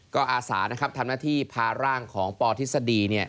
ก็อาสานะครับทำหน้าที่พาร่างของปทฤษฎี